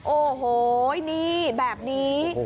โอ้โหนี่แบบนี้